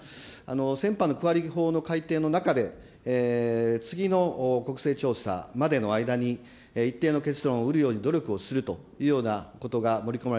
先般の区割り法の改定の中で、次の国勢調査までの間に、一定の結論を得るように努力をするというようなことが盛り込まれ